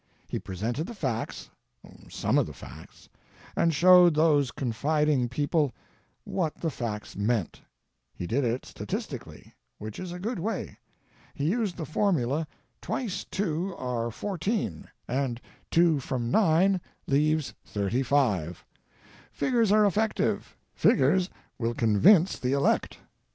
He presented the facts — some of the facts — and showed those confid ing people what the facts meant. He did it statistically, which is a good way. Pie used the formula: "Twice 2 are 14, and 2 TO THE PERSON SITTING IN DARKNESS. 171 from 9 leaves 35." Figures are effective ; figures will convince the elect.